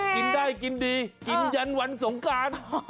กินได้กินดีกินยันวันสงการ